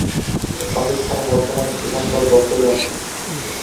পাকিস্তানীরা বর্তমানে সেখানকার দখলে আছে।